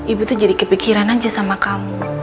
ibu tuh jadi kepikiran aja sama kamu